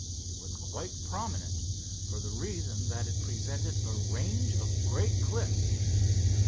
It was quite prominent, for the reason, that it presented a range of great cliffs.